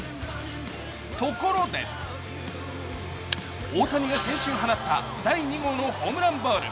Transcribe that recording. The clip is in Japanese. ところで、大谷が先週放った第２号のホームランボール。